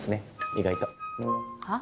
意外とはっ？